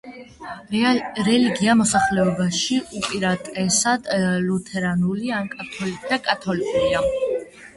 რელიგია მოსახლეობაში უპირატესად ლუთერანული და კათოლიკურია.